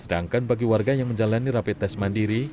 sedangkan bagi warga yang menjalani rapi tes mandiri